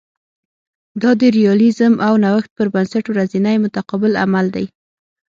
دا د ریالیزم او نوښت پر بنسټ ورځنی متقابل عمل دی